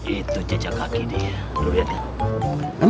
itu jejak kaki dia